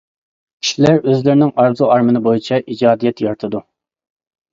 كىشىلەر ئۆزلىرىنىڭ ئارزۇ-ئارمىنى بويىچە ئىجادىيەت يارىتىدۇ.